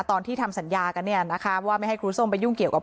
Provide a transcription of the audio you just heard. ตอนที่ทำสัญญากันเนี่ยนะคะว่าไม่ให้ครูส้มไปยุ่งเกี่ยวกับ